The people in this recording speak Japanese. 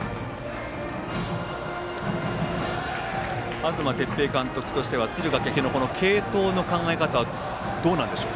東哲平監督としては敦賀気比のこの継投の考え方はどうなんでしょう。